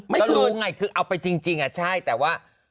ไม่รู้ไงคือเอาไปจริงใช่แต่ว่า